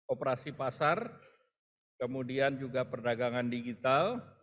operasi pasar kemudian juga perdagangan digital